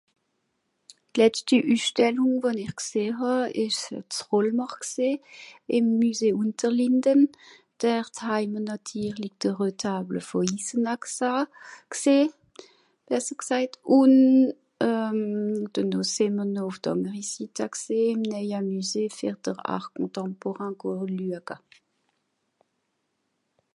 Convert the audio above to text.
D'letschti Üsstellùng, wo-n-ìch gseh hàà ìsch z'Cholmer gsìì, ìm Müsé Unterlinden. Dert hai mr natirlig de Retable vù Isena gsah, gseh, besser gsajt ùn euh... denoh sìì m'r noh ùf d'ànderi Sitta gsìì, néia Müsé fer d'r Art contemporain go lüaga.